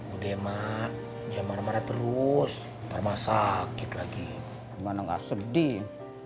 udah mak jangan marah marah terus ntar mas sakit lagi gimana nggak sedih